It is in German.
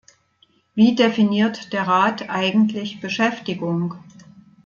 Wie definiert der Rat eigentlich Beschäftigung?